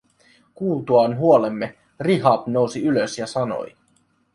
Kuultuaan huolemme Rihab nousi ylös ja sanoi: